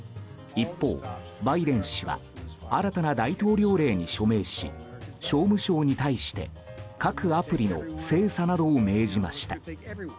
一方、バイデン氏は新たな大統領令に署名し商務省に対して各アプリの精査などを命じました。